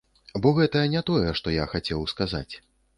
Бо гэта не тое, што я хацеў сказаць.